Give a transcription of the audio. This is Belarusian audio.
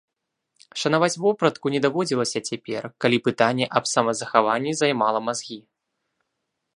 Шанаваць вопратку не даводзілася цяпер, калі пытанне аб самазахаванні займала мазгі.